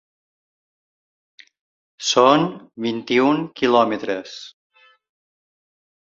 Són vint-i-un quilòmetres.